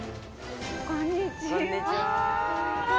こんにちは。